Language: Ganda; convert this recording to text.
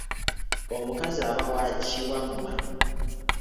Omukazi aba wa kiwamma.